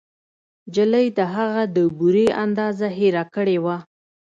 نجلۍ د هغه د بورې اندازه هېره کړې وه